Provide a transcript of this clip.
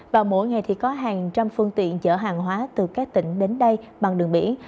và mỗi ngày thì có hàng trăm phương tiện chở hàng hóa từ các tỉnh đến đây bằng đường biển